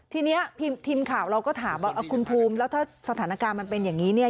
ทีนี้ทีมข่าวเราก็ถามว่าคุณภูมิแล้วถ้าสถานการณ์มันเป็นอย่างนี้เนี่ย